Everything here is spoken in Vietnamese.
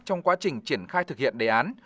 trong quá trình triển khai thực hiện đề án